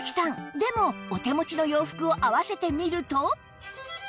でもお手持ちの洋服を合わせてみると